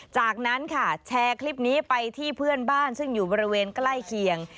จากนั้นค่ะแชร์คลิปนี้ไปที่เพื่อนบ้านซึ่งอยู่บริเวณใกล้เคียง